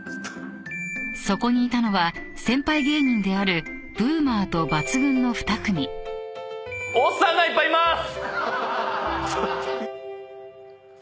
［そこにいたのは先輩芸人であるＢＯＯＭＥＲとＸ−ＧＵＮの２組］おっさんがいっぱいいます！